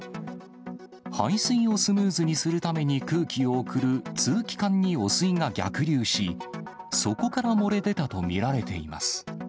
排水をスムーズにするために空気を送る通気管に汚水が逆流し、そこから漏れ出たと見られています。